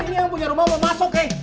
kamu punya rumah mau masuk keng